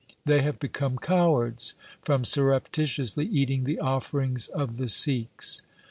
They have become cowards from surreptitiously eating the offerings of the Sikhs.'